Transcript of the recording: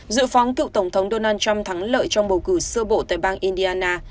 dự phóng cựu tổng thống donald trump thắng lợi trong bầu cử sơ bộ tại bang indiana